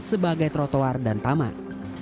sebagai trotoar dan taman